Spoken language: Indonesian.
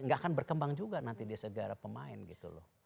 gak akan berkembang juga nanti di segara pemain gitu loh